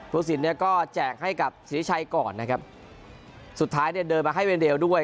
ผู้สินเนี่ยก็แจกให้กับศิริชัยก่อนนะครับสุดท้ายเนี่ยเดินมาให้เวนเร็วด้วย